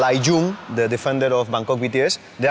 เราไม่มีพวกมันเกี่ยวกับพวกเราแต่เราไม่มีพวกมันเกี่ยวกับพวกเรา